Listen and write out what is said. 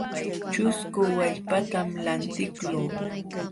Ćhusku wallpatam lantiqluu.